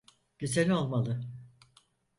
Güzel olmalı.